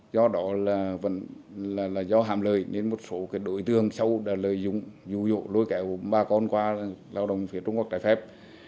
do đó là do hạm lời nên một số đối tượng sâu đã lợi dụng dụ dụ lôi kéo bà con qua lao động phía trung quốc trái phép